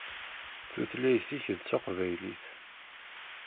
Tutlayt-ik d taqbaylit.